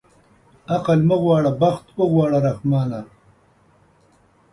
عقل مه غواړه بخت اوغواړه رحمانه.